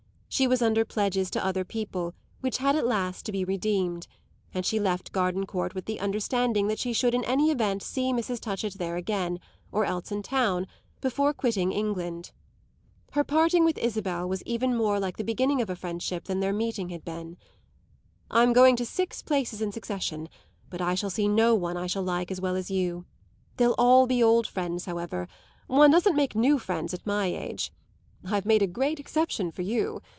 She was under pledges to other people which had at last to be redeemed, and she left Gardencourt with the understanding that she should in any event see Mrs. Touchett there again, or else in town, before quitting England. Her parting with Isabel was even more like the beginning of a friendship than their meeting had been. "I'm going to six places in succession, but I shall see no one I like so well as you. They'll all be old friends, however; one doesn't make new friends at my age. I've made a great exception for you.